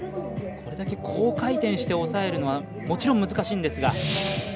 これだけ高回転して抑えるのはもちろん難しいんですが。